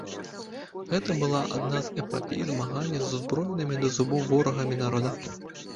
Гэта была адна з эпапей змагання з узброенымі да зубоў ворагамі народа.